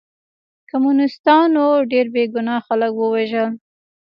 کمونستانو ډېر بې ګناه خلک ووژل